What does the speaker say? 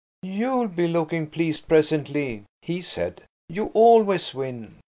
"You'll be looking pleased presently," he said; "you always win."